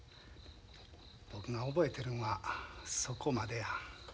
僕が覚えてるんはそこまでや。